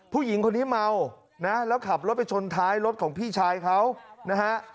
ผู้หญิงคนนี้เมานะแล้วขับรถไปชนท้ายรถของพี่ชายเขานะฮะ